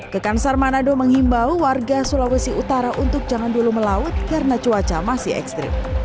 kekansar manado menghimbau warga sulawesi utara untuk jangan dulu melaut karena cuaca masih ekstrim